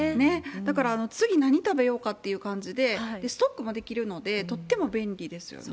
だから、次何食べようかっていう感じで、ストックもできるので、とっても便利ですよね。